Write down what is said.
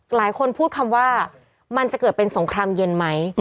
หลายคนพูดคำว่ามันจะเกิดเป็นสงครามเย็นไหม